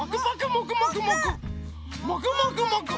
もくもくもくもく。